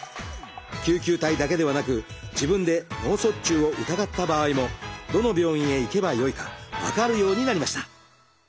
救急隊だけではなく自分で脳卒中を疑った場合もどの病院へ行けばよいか分かるようになりました。